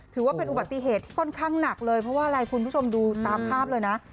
ถือว่าเป็นอุบัติเหตุที่ค่อนข้างหนักเลยเพราะว่าอะไรคุณผู้ชมดูตามภาพเลยนะ